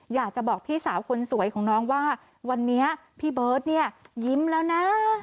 อยากจะบอกพี่สาวคนสวยของน้องว่าวันนี้พี่เบิร์ตเนี่ยยิ้มแล้วนะ